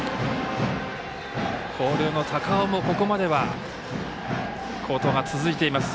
広陵の高尾もここまでは好投が続いています。